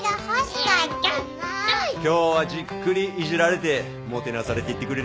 今日はじっくりいじられてもてなされていってくれれ。